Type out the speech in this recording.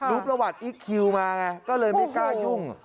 รู้ประวัติอีคคิวมาไงก็เลยไม่กล้ายุ่ง